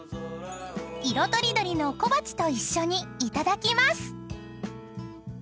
［色とりどりの小鉢と一緒にいただきます］